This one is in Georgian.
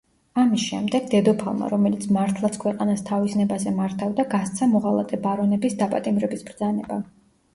ამის შემდეგ დედოფალმა, რომელიც მართლაც ქვეყანას თავის ნებაზე მართავდა გასცა მოღალატე ბარონების დაპატიმრების ბრძანება.